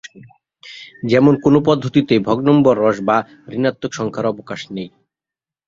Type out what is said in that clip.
যেমন কোন পদ্ধতিতেই ভগ্নম্বরশ বা ঋণাত্মক সংখ্যার অবকাশ নেই।